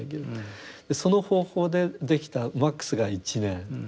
その方法でできたマックスが１年。